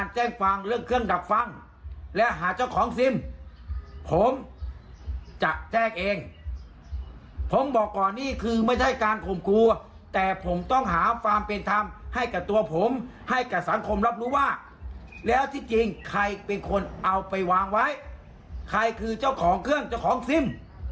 จริงใครเป็นคนเอาไปวางไว้ใครคือเจ้าของเครื่องเจ้าของซิม